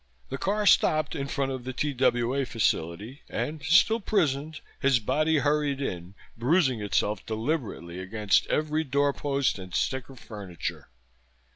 The car stopped in front of the TWA facility and, still prisoned, his body hurried in, bruising itself deliberately against every doorpost and stick of furniture.